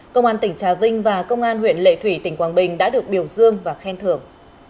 công an tỉnh trà vinh và công an huyện lệ thủy tỉnh quảng bình đã được biểu dương và khen thưởng